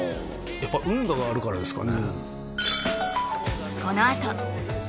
やっぱ運河があるからですかね？